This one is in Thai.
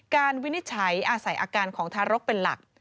วินิจฉัยอาศัยอาการของทารกเป็นหลัก